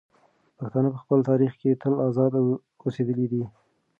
پښتانه په خپل تاریخ کې تل ازاد اوسېدلي دي.